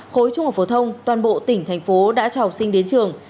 khối trung học phổ thông toàn bộ tỉnh thành phố đã cho học sinh đến trường